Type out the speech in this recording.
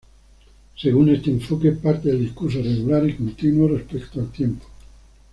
Según este enfoque, parte del discurso es regular y continuo respecto al tiempo.